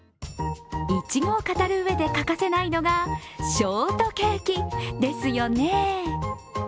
いちごを語るうえで欠かせないのがショートケーキですよね。